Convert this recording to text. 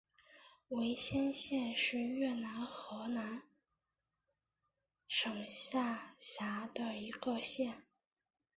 维先县是越南河南省下辖的一个县。